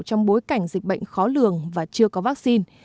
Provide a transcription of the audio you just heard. trong bối cảnh dịch bệnh khó lường và chưa có vaccine